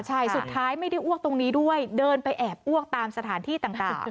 ใช่สุดท้ายไม่ได้อ้วกตรงนี้ด้วยเดินไปแอบอ้วกตามสถานที่ต่าง